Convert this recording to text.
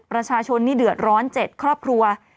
ประชาชนนี่เดือดร้อน๗ครอบครัว